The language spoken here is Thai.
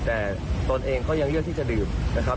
แต่ตนเองก็ยังเลือกที่จะดื่มนะครับ